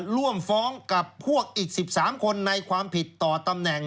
ร่วมฟ้องกับพวกอีก๑๓คนในความผิดต่อตำแหน่ง